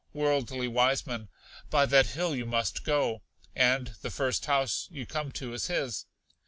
Worldly Wiseman. By that hill you must go, and the first house you come to is his.